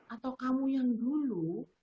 atau kamu yang dulu